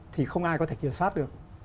thì không ai có thể kiểm soát được